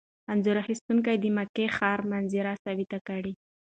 انځور اخیستونکي د مکې ښاري منظرې ثبت کړي.